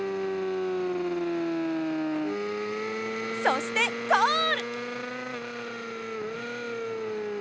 そしてゴール！